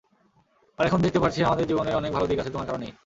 আর এখন দেখতে পারছি আমাদের জীবনের অনেক ভালো দিক আছে তোমার কারণেই।